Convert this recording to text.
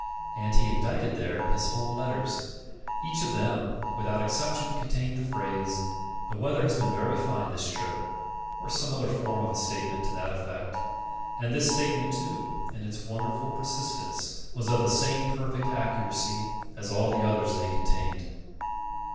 And he indited there his home letters. Each of them, without exception, contained the phrase, "The weather has been very fine this trip," or some other form of a statement to that effect. And this statement, too, in its wonderful persistence, was of the same perfect accuracy as all the others they contained.